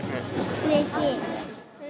うれしい。